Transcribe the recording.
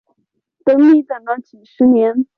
等你等了几十年